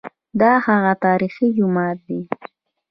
دا هغه تاریخي جومات دی.